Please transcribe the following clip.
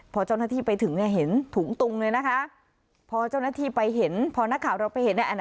พอเจ้าหน้าที่ไปถึงเนี่ยเห็นถุงตุงเลยนะคะพอเจ้าหน้าที่ไปเห็นพอนักข่าวเราไปเห็น